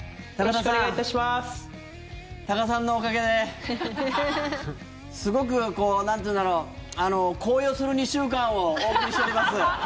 高田さんのおかげですごく、なんて言うんだろう高揚する２週間をお送りしております。